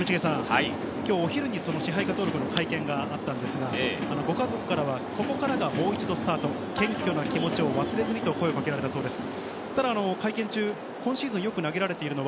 お昼に支配下登録の会見がありましたが、ご家族からはここからがもう一度スタート、謙虚な気持ちを忘れずにと声をかけられたそうです。